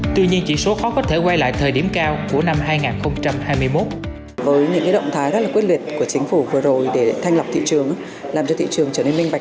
tuy nhiên chỉ số khó có thể quay lại thời điểm cao của năm hai nghìn hai mươi một